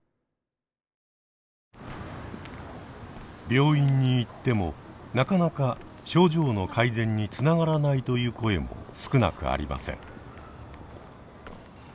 病院に行ってもなかなか症状の改善につながらないという声も少なくありません。